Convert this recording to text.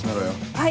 はい。